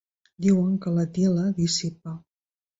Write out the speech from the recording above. Diuen que la til·la dissipa.